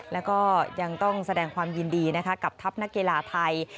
แล้วก็ยังต้องแสดงความยินดีนะคะกับทัพนักกีฬาไทย